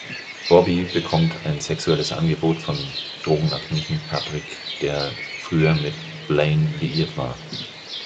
Bobby bekommt ein sexuelles Angebot vom drogenabhängigen Patrick, der früher mit Blaine liiert war.